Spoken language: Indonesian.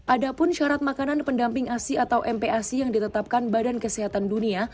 ada pun syarat makanan pendamping asi atau mpac yang ditetapkan badan kesehatan dunia